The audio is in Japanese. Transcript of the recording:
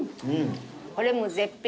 これもう絶品。